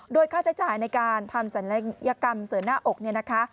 โดยค่าใช้จ่ายในการทำสัญลัยกรรมเสริมหน้าอก